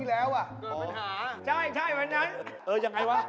อย่างไงวะ